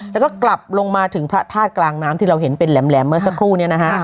แล้วก็กลับลงมาถึงพระธาตุกลางน้ำที่เราเห็นเป็นแหลมเมื่อสักครู่นี้นะฮะ